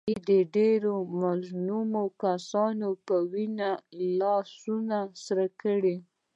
علي د ډېرو مظلومو کسانو په وینو لاسونه سره کړي.